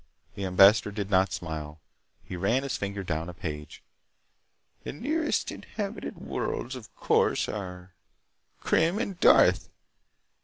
The ambassador did not smile. He ran his finger down a page. "The nearest inhabited worlds, of course, are Krim and Darth.